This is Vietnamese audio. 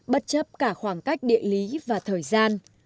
bất chấp cả khoảng cách địa lý và thời gian